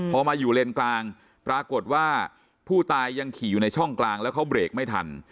พอมาอยู่เลนกลางปรากฏว่าผู้ตายยังขี่อยู่ในช่องกลางแล้วเขาเบรกไม่ทัน